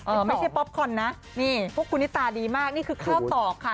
ไม่ใช่ป๊อปคอนนะนี่พวกคุณนิตาดีมากนี่คือข้าวตอกค่ะ